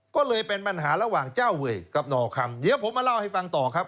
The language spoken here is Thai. ก็เลยเป็นปัญหาระหว่างเจ้าเวยกับหน่อคำเดี๋ยวผมมาเล่าให้ฟังต่อครับ